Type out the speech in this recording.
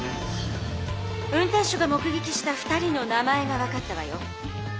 運転手が目げきした２人の名前が分かったわよ。